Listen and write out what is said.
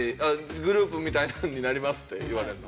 グループみたいなのになりますって言われるの？